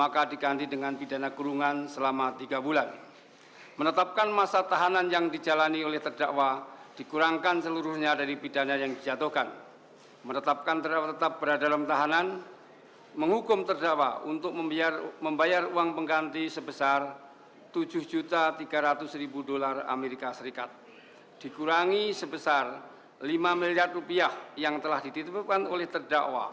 kami akan mencari berita